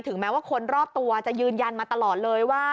แม้ว่าคนรอบตัวจะยืนยันมาตลอดเลยว่า